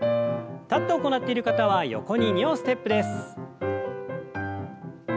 立って行っている方は横に２歩ステップです。